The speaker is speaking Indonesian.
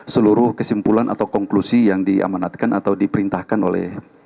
seluruh kesimpulan atau konklusi yang diamanatkan atau diperintahkan oleh